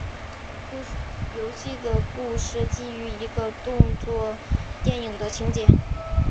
游戏的故事基于一个动作电影的情节。